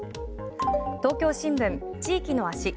東京新聞、地域の足。